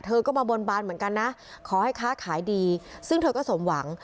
เธอก็มาบนบานเหมือนกันนะขอให้ค้าขายดีซึ่งเธอก็สมหวัง